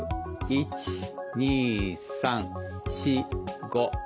１２３４５。